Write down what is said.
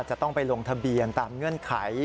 จะต้องไปลงทะเบียนตามเงื่อนไข